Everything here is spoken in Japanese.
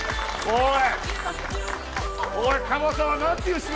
おい！